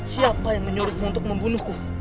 siapa yang menyuruh untuk membunuhku